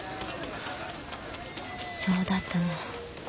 そうだったの。